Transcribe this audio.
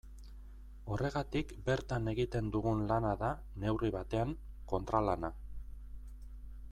Horregatik bertan egiten dugun lana da, neurri batean, kontralana.